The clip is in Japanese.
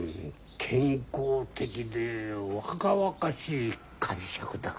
健康的で若々しい解釈だ。